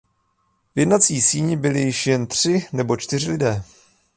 V jednací síni byli již jen tři nebo čtyři lidé.